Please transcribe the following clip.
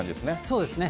そうですね。